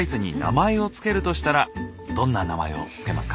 どんな名前をつけますか？